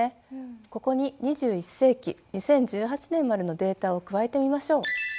ここに２１世紀２０１８年までのデータを加えてみましょう。